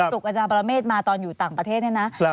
ถูกอาจารย์ปรเมฆมาตอนอยู่ต่างประเทศเนี่ยนะ